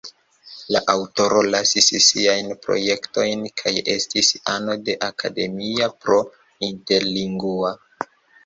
La aŭtoro lasis siajn projektojn kaj estis ano de Academia pro Interlingua.